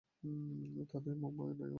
তাতেই মানায় ওনাকে।